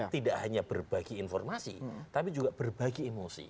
tidak hanya berbagi informasi tapi juga berbagi emosi